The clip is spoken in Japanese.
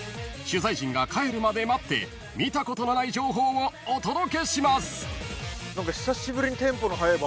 ［取材陣が帰るまで待って見たことのない情報をお届けします］